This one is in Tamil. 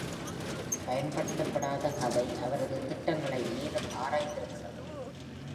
பயன்படுத்தப்படாத கதை அவரது திட்டங்களை மேலும் ஆராய்ந்திருக்கிறது.